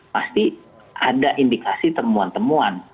pasti ada indikasi temuan temuan